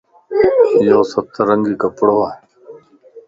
يوسترنگي ڪپڙووَ